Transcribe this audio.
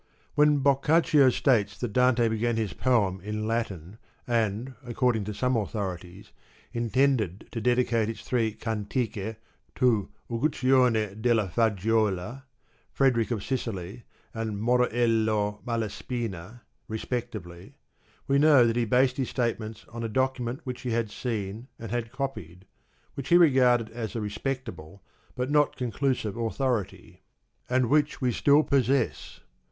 When Boccaccio states that Dante began his poem in Latin, and according to some authorities, intended to dedicate its three Cantiche to Uguccione della Faggiola, Frederick of Sicily, and Moroello Malespina, respectively, we know that he based his statements on a document which he had seen and had copied, which he regarded as a respectable but not a conclusive authority, and which we still possess.